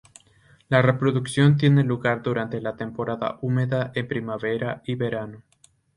La reproducción tiene lugar durante la temporada húmeda en primavera y verano.